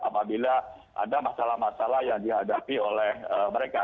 apabila ada masalah masalah yang dihadapi oleh mereka